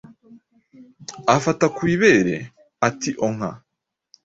afata ku ibere ati onka